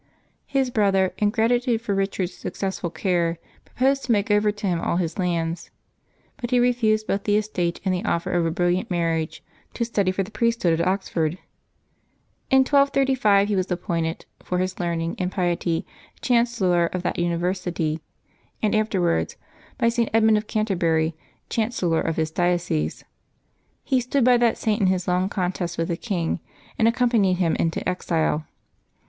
His brother, in gratitude for Rich ard's successful care, proposed to make over to him all his lands; but he refused both the estate and the offer of a brilliant marriage, to study for the priesthood at Ox ford. In 1235 he was appointed, for his learning and piety, chancellor of that IJniversity, and afterwards, by St. Edmund of Canterbury, chancellor of his diocese. He stood by that Saint in his long contest with the king, and accompanied him into exile.